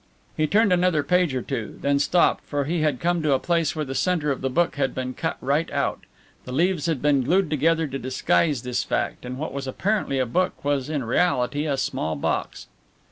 He turned another page or two, then stopped, for he had come to a place where the centre of the book had been cut right out. The leaves had been glued together to disguise this fact, and what was apparently a book was in reality a small box.